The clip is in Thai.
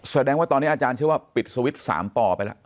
แสดงว่าตอนนี้อาจารย์เชื่อว่าปิดสวิตช์๓ป่อไปแล้ว